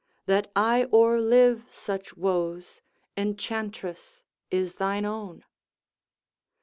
That I o'erlive such woes, Enchantress! is thine own.